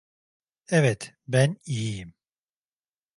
Evet, ben iyiyim.